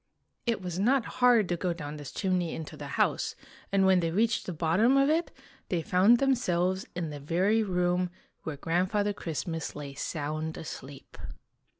It was not hard to go down this chimney into the house, and when they reached the bottom of it they found themselves in the very room where Grandfather Christmas lay sound asleep.